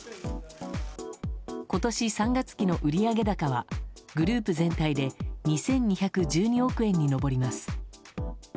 今年３月期の売上高はグループ全体で２２１２億円に上ります。